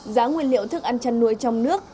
giá nguyên liệu thức ăn chăn nuôi trong nước